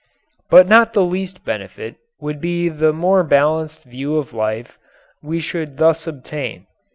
But not the least benefit would be the more balanced view of life we should thus obtain.